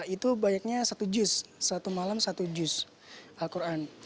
itu banyaknya satu juz satu malam satu juz al quran